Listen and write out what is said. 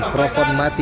dpr ri puan maharani